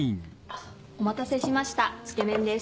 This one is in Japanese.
お待たせしましたつけめんです。